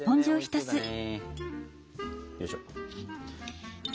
よいしょ。